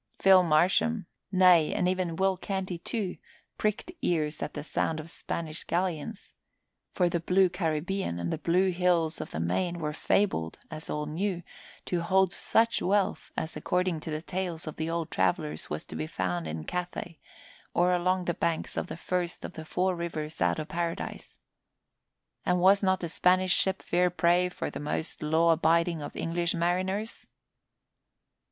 Phil Marsham nay, and even Will Canty, too! pricked ears at the sound of Spanish galleons; for the blue Caribbean and the blue hills of the main were fabled, as all knew, to hold such wealth as according to the tales of the old travellers was to be found in Cathay or along the banks of the first of the four rivers out of Paradise. And was not a Spanish ship fair prey for the most law abiding of English mariners?